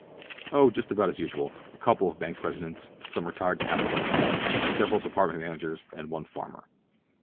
"Oh, just about as usual. A couple of bank presidents, some retired capitalists, several department managers, and one farmer.